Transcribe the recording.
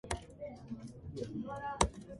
Los Angeles took Huntington to court over the issue.